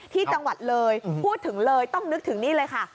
ที่จังหวัดเลยพูดถึงเลยต้องนึกถึงนี่เลยค่ะ